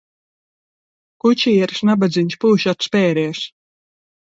Kučieris, nabadziņš, pūš atspēries.